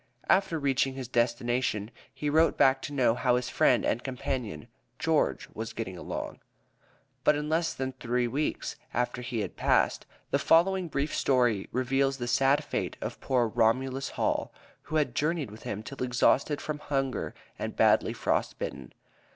After reaching his destination, he wrote back to know how his friend and companion (George) was getting along; but in less than three weeks after he had passed, the following brief story reveals the sad fate of poor Romulus Hall, who had journeyed with him till exhausted from hunger and badly frost bitten.